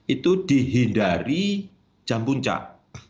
itu dihindari jam puncak